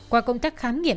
qua công tác khám nghiệm